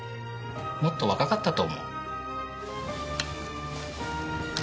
もっと若かったと思う。